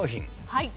はい。